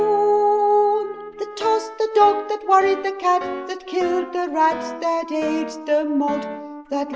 roll JJ tossed the dog that wor ried the cat, That killed the rat that ate the malt, That Andante.